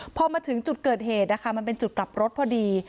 พอมาถึงจุดเกิดเหตุนะคะมันเป็นจุดกลับรถพอดี